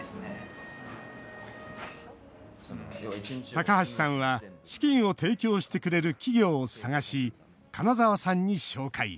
高橋さんは資金を提供してくれる企業を探し、金澤さんに紹介。